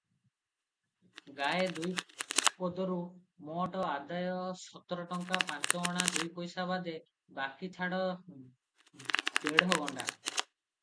ଗାଏ ଦୁଇ ପଦକୁ ମୋଟ ଆଦାୟ ସତରଟଙ୍କା ପାଞ୍ଚ ଅଣା ଦୁଇପଇସା ବାଦେ ବାକି ଛାଡ଼ ଦେଢ଼ ଗଣ୍ଡା